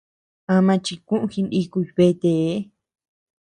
Ama chikuu jinikuy betee.